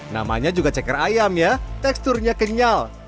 namanya juga ceker ayam ya teksturnya kenyal